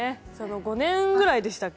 ５年くらいでしたっけ？